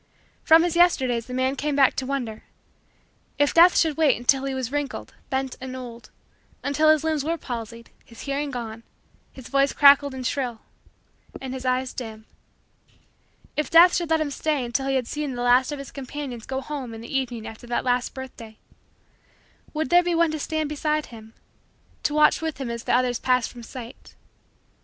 From his Yesterdays the man came back to wonder: if Death should wait until he was wrinkled, bent, and old until his limbs were palsied, his hearing gone, his voice cracked and shrill, and his eyes dim if Death should let him stay until he had seen the last of his companions go home in the evening after that last birthday would there be one to stand beside him to watch with him as the others passed from sight?